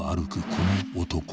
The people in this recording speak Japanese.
この男］